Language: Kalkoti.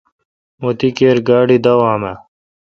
مہ تی کیر گاڑی داوام اؘ۔